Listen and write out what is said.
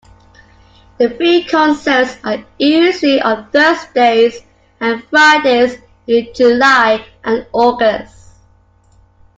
The free concerts are usually on Thursdays and Fridays in July and August.